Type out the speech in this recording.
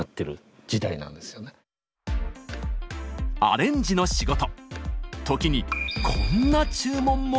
アレンジの仕事。